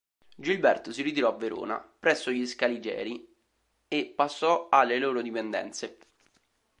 Giberto si ritirò a Verona presso gli Scaligeri e passò alle loro dipendenze.